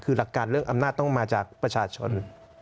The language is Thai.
คือหลักการเรื่องอำนาจต้องมาจากประชาชน